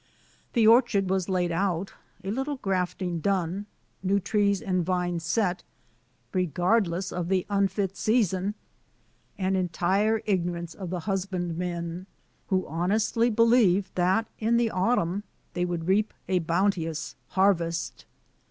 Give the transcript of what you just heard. The orchard was laid out, a little grafting done, new trees and vines set, regardless of the unfit season and entire ignorance of the husbandmen, who honestly believed that in the autumn they would reap a bounteous harvest.